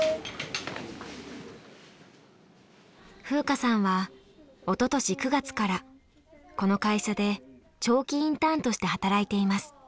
風花さんはおととし９月からこの会社で長期インターンとして働いています。